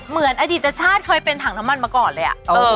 เหมือนอดีตชาติเคยเป็นถังน้ำมันมาก่อนเลย